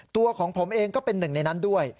ตัวของผมเองก็เป็นหนึ่งในนั้นด้วย